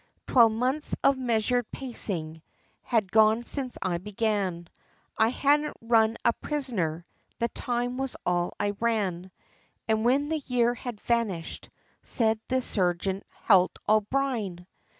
Twelve months of measured pacing, had gone since I began; I hadn't run a prisoner, the time was all I ran; And when the year had vanished, said the sergeant, "Halt, O'Brine!